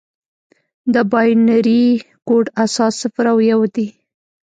د بایونري کوډ اساس صفر او یو دي.